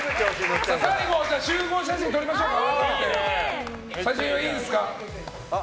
最後、集合写真撮りましょうか。